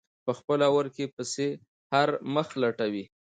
په خپله ورکې پسې هر مخ لټوي.